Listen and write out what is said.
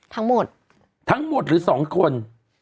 ทั้งหมดทั้งหมดหรือสองคน